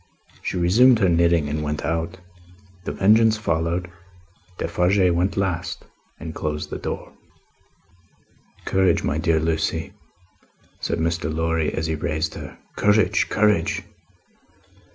She resumed her knitting and went out. The Vengeance followed. Defarge went last, and closed the door. "Courage, my dear Lucie," said Mr. Lorry, as he raised her. "Courage, courage!